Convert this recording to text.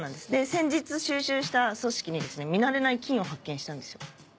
先日収集した組織に見慣れない菌を発見したんですよ。